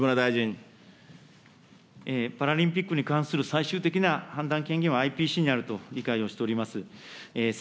パラリンピックに関する最終的な判断権限は、ＩＰＣにあると理解をしております。